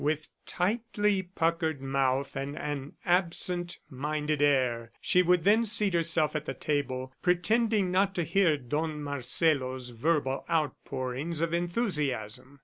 With tightly puckered mouth and an absent minded air, she would then seat herself at the table, pretending not to hear Don Marcelo's verbal outpourings of enthusiasm.